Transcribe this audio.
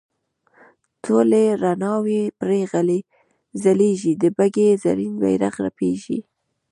ټولې روڼاوې پرې ځلیږي د بګۍ زرین بیرغ رپیږي.